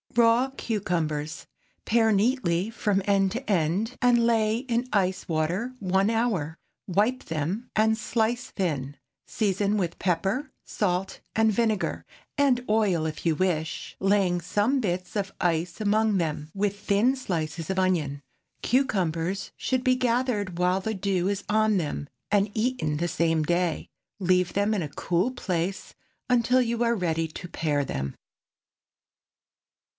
RAW CUCUMBERS. Pare neatly from end to end, and lay in ice water one hour. Wipe them and slice thin. Season with pepper, salt and vinegar—and oil, if you wish—laying some bits of ice among them, with thin slices of onion. Cucumbers should be gathered while the dew is on them, and eaten the same day. Leave them in a cool place until you are ready to pare them.